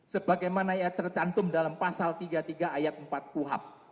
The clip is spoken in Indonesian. sebagaimana tercantum dalam pasal tiga puluh tiga ayat empat kuhap